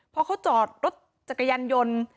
พอเขาจอดรถจักรยานยนต์